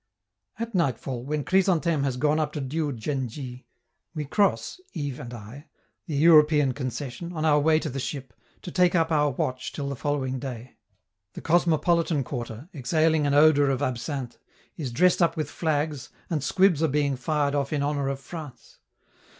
At nightfall, when Chrysantheme has gone up to Diou djen dji, we cross, Yves and I, the European concession, on our way to the ship, to take up our watch till the following day. The cosmopolitan quarter, exhaling an odor of absinthe, is dressed up with flags, and squibs are being fired off in honor of France.